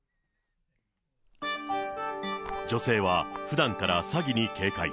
女性はふだんから詐欺に警戒。